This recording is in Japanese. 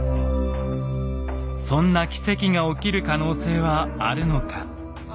そんな奇跡が起きる可能性はあるのか。